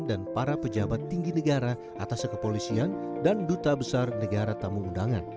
dan para pejabat tinggi negara atas kepolisian dan duta besar negara tamu undangan